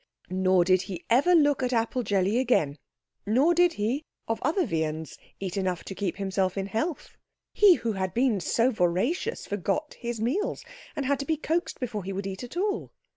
Nor did he ever look at apple jelly again; nor did he, of other viands, eat enough to keep him in health. He who had been so voracious forgot his meals, and had to be coaxed before he would eat at all.